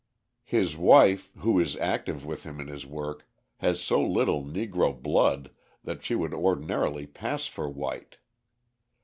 His wife, who is active with him in his work, has so little Negro blood that she would ordinarily pass for white.